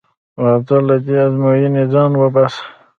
راځه له دې ازموینې ځان وباسه.